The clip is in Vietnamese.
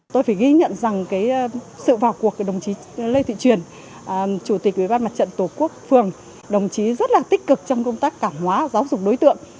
tôi phải ghi nhận rằng sự vào cuộc của đồng chí lê thị truyền chủ tịch ủy ban mặt trận tổ quốc phường đồng chí rất là tích cực trong công tác cảm hóa giáo dục đối tượng